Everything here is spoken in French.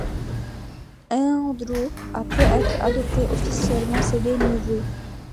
Andrew a peut-être adopté officiellement ses deux neveux.